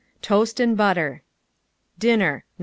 Toast and butter. DINNER No.